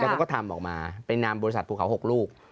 แล้วก็ทำออกมาไปนำบริษัทภูเขา๖ลูก